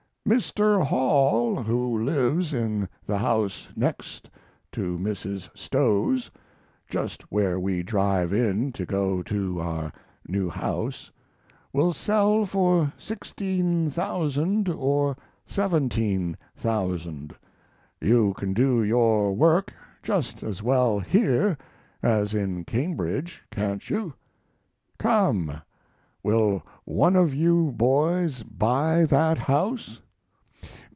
Mr. Hall, who lives in the house next to Mrs. Stowe's (just where we drive in to go to our new house), will sell for $16,000 or $17,000. You can do your work just as well here as in Cambridge, can't you? Come! Will one of you boys buy that house?